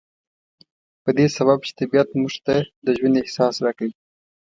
په دې سبب چې طبيعت موږ ته د ژوند احساس را کوي.